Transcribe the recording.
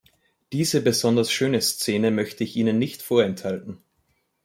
Diese besonders schöne Szene möchte ich Ihnen nicht vorenthalten.